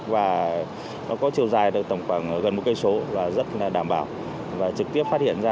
và nó có chiều dài được tổng khoảng gần một cây số và rất là đảm bảo và trực tiếp phát hiện ra